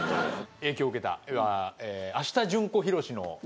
影響を受けたのは。